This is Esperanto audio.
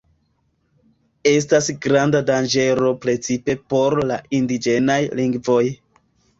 Estas granda danĝero precipe por la indiĝenaj lingvoj.